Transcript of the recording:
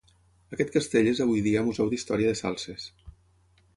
Aquest castell és avui dia Museu d'Història de Salses.